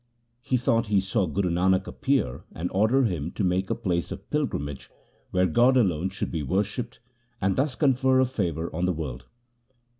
He thought he saw Guru Nanak appear and order him to make a place of pilgrimage where God alone should be worshipped, and thus confer a favour on the world.